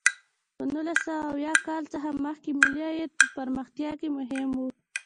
د نولس سوه اویا کال څخه مخکې ملي عاید په پرمختیا کې مهم و.